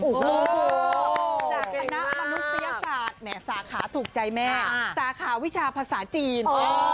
โอ้โหจากคณะมนุษยศาสตร์แหมสาขาถูกใจแม่สาขาวิชาภาษาจีน